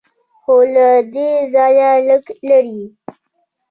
خو له دې ځایه لږ لرې.